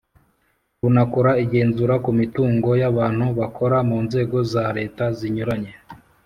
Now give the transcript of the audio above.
runakora igenzura ku mitungo y’abantu bakora mu nzego za leta zinyuranye.